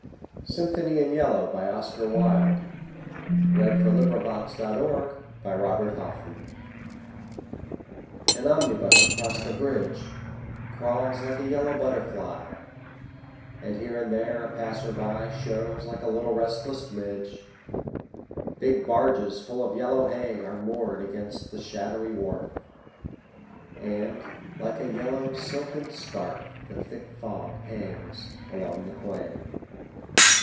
n! Else moonstruck with music and madness I track him in vain! SYMPHONY IN YELLOW AN omnibus across the bridge Crawls like a yellow butterfly And, here and there, a passer by Shows like a little restless midge. Big barges full of yellow hay Are moored against the shadowy wharf, And, like a yellow silken scarf, The thick fog hangs along the quay.